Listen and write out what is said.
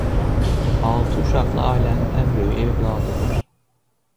Altı uşaqlı ailənin ən böyük övladıdır.